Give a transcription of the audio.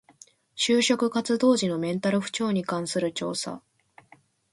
就職活動時のメンタル不調に関する調査